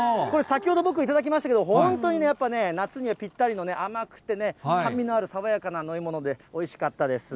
先ほど、僕頂きましたけど、本当にね、やっぱりね、夏にはぴったりの甘くて酸味のある爽やかな飲み物でおいしかったです。